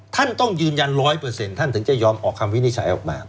ท่านต้องยืนยัน๑๐๐ท่านถึงจะยอมออกคำวินิจฉัยออกมา